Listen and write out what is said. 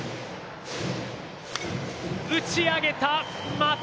打ち上げた！